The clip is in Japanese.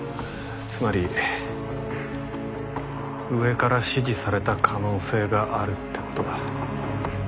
つまり上から指示された可能性があるって事だ。